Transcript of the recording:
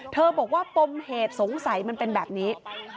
บอกว่าปมเหตุสงสัยมันเป็นแบบนี้